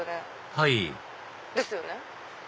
はいですよね。